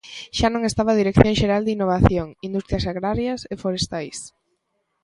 Xa non estaba a dirección xeral de Innovación, Industrias Agrarias e Forestais.